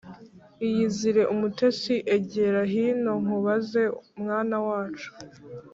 iyizire umutesi egera hino nkubaze mwana wacu